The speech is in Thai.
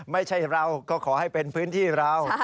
ไม่ใช่เราก็ขอให้เป็นพื้นที่เรา